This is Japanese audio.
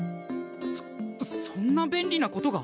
そそんな便利なことが！？